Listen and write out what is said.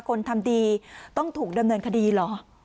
คนทำดีต้องถูกดำเนินคดีเหรอ